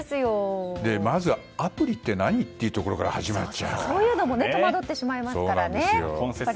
まずアプリって何？っていうところからそういうのも戸惑ってしまいますからね。